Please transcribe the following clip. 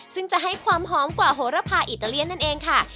ซึ่งจะให้ความหอมกว่าโหระพาอิตาเลียนนั่นเองค่ะ